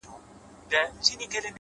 پرمختګ د ثابتو هڅو نتیجه ده!